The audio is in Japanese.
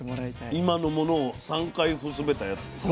今のものを３回ふすべたやつでしょ？